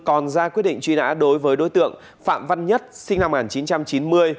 còn ra quyết định truy nã đối với đối tượng phạm văn nhất sinh năm một nghìn chín trăm chín mươi